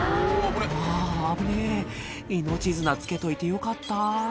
「あぁ危ねぇ命綱着けといてよかった」